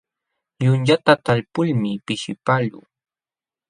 Yunyata talpulmi pishipaqluu.